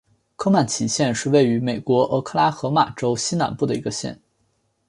科曼奇县是位于美国俄克拉何马州西南部的一个县。